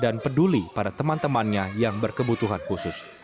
dan berikan kemampuan kepada teman temannya yang berkebutuhan khusus